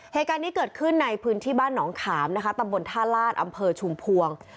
เหตุการณ์นี้เกิดขึ้นในพื้นที่บ้านหนองขามนะคะตำบลท่าลาศอำเภอชุมพวง